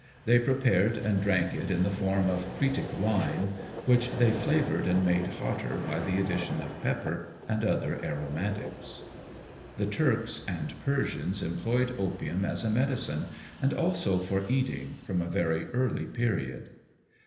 They prepared and drank it in the form of "Cretic Wine," which they flavoured and made hotter by the addition of pepper and other aromatics. The Turks and Persians employed opium as a medicine, and also for eating, from a very early period.